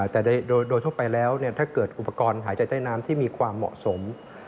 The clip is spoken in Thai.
แต่โดยทั่วไปแล้วถ้าเกิดอุปกรณ์หายใจใต้น้ำที่มีความเหมาะสม